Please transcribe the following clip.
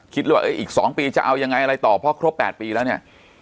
คิดว่าอีก๒ปีจะเอายังไงอะไรต่อเพราะครบ๘ปีแล้วเนี่ย